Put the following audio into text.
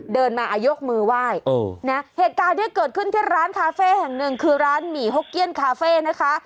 เดินมายกมือไหว้เหตุการณ์ที่เกิดขึ้นที่ร้านคาเฟ่แห่งหนึ่งคือร้านหมี่หกเกี้ยนคาเฟ่นะคะ